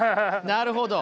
なるほど。